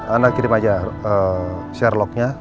anda kirim aja share lognya